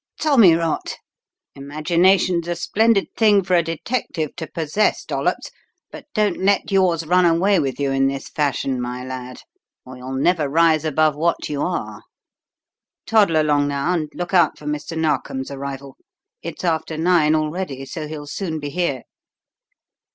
"Tommy rot! Imagination's a splendid thing for a detective to possess, Dollops, but don't let yours run away with you in this fashion, my lad, or you'll never rise above what you are. Toddle along now, and look out for Mr. Narkom's arrival. It's after nine already, so he'll soon be here."